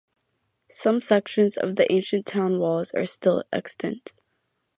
Some sections of the ancient town walls are still extant.